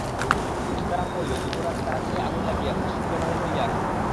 সীতারাম কহিল, যুবরাজ, কারাগৃহে আগুন লাগিয়াছে, শীঘ্র বাহির হইয়া আসুন।